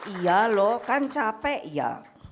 iya loh kan capek ya